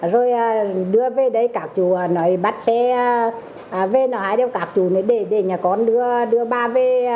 rồi đưa về đấy các chú nói bắt xe về nói đưa các chú để nhà con đưa ba về